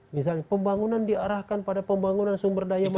misalnya pembangunan diarahkan pada pembangunan sumber daya manusia